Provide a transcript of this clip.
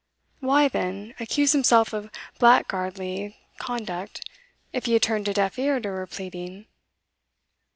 Why, then, accuse himself of blackguardly conduct, if he had turned a deaf ear to her pleading?